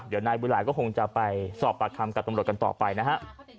เดี๋ยวนายบุญหลายก็คงจะไปสอบปากคำกับตำรวจกันต่อไปนะฮะ